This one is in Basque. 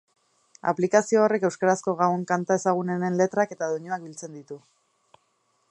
Aplikazio horrek euskarazko gabon kanta ezagunenen letrak eta doinuak biltzen ditu.